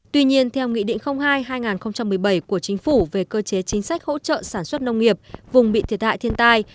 tuy nhiên theo nghị định hai hai nghìn một mươi bảy của chính phủ về cơ chế chính sách hỗ trợ sản xuất nông nghiệp vùng bị thiệt hại thiên tai